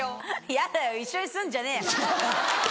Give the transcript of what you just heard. ヤダよ一緒にすんじゃねえ‼